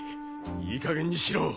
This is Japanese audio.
いいかげんにしろ。